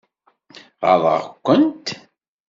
Ɣaḍeɣ-kent?